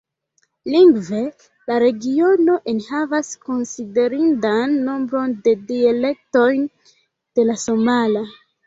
Lingve, la regiono enhavas konsiderindan nombron de dialektojn de la somala.